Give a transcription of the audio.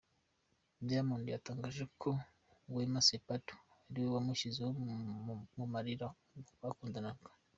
Diamond yatangaje ko Wema Sepetu ariwe wamushyize mu marira ubwo bakundanaga.